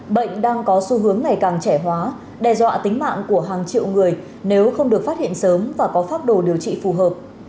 bệnh đang có xu hướng ngày càng trẻ hóa đe dọa tính mạng của hàng triệu người nếu không được phát hiện sớm và có pháp đồ điều trị phù hợp